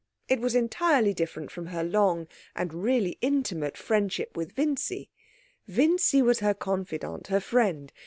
It was entirely different from her long and really intimate friendship with Vincy. Vincy was her confidant, her friend.